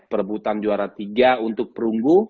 perebutan juara tiga untuk perunggu